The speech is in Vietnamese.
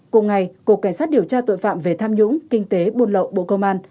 cùng ngày cục cảnh sát điều tra tội phạm về tham nhũng kinh tế buôn lậu bộ công an